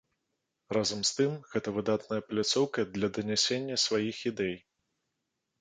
Разам з тым, гэта выдатная пляцоўка для данясення сваіх ідэй.